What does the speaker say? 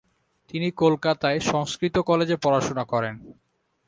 তিনি কলকাতায় সংস্কৃত কলেজে পড়াশোনা করেন।